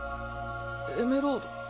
エメロード